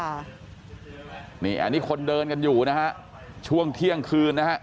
อันนี้คนเดินกันอยู่นะฮะช่วงเที่ยงคืนนะฮะ